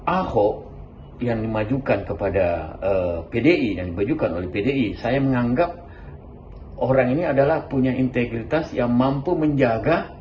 ahok yang dimajukan oleh pdi saya menganggap orang ini adalah punya integritas yang mampu menjaga